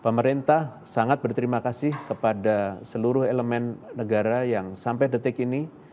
pemerintah sangat berterima kasih kepada seluruh elemen negara yang sampai detik ini